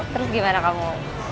terus gimana kamu